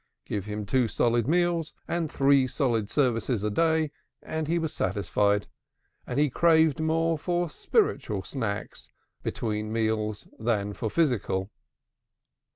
Give him two solid meals and three solid services a day, and he was satisfied, and he craved more for spiritual snacks between meals than for physical.